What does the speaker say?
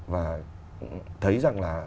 và thấy rằng là